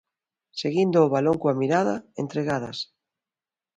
Seguindo o balón coa mirada, entregadas.